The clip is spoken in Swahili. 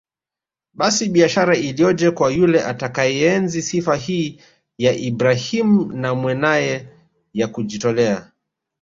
Basi bishara iliyoje kwa yule atakayeenzi sifa hii ya Ibrahim na Mwanaye ya kujitolea